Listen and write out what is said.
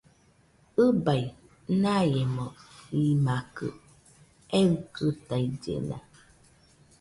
ɨbai, naiemo imakɨ eikɨtaillena